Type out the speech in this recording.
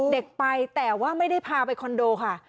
เด็กไปแต่ว่าไม่ได้พาไปคอนโดค่ะ